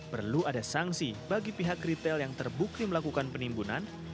perlu ada sanksi bagi pihak retail yang terbukti melakukan penimbunan